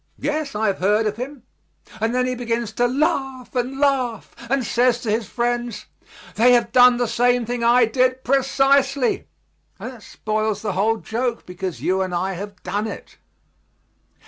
"Yes, I have heard of him." And then he begins to laugh and laugh and says to his friends, "They have done the same thing I did, precisely." And that spoils the whole joke, because you and I have done it.